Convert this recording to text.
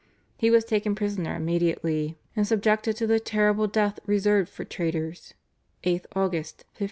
He was taken prisoner immediately, and subjected to the terrible death reserved for traitors (8th August 1570).